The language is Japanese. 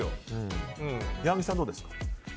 矢作さん、どうですか。